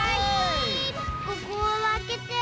ここをあけて。